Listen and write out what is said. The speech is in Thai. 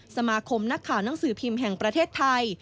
สมาคมนักข่าวหนังสือพิมพ์แห่งประเทศไทย